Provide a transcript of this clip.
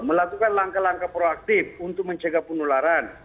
melakukan langkah langkah proaktif untuk mencegah penularan